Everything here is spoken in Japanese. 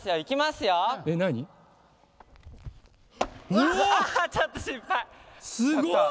すごい！